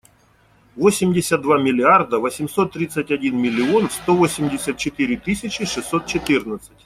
Восемьдесят два миллиарда восемьсот тридцать один миллион сто восемьдесят четыре тысячи шестьсот четырнадцать.